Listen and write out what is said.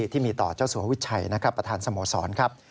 ที่มีต่อเจ้าสววิชัยประธานสโมสร